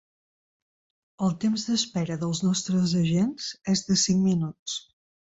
El temps d'espera dels nostres agents és de cinc minuts.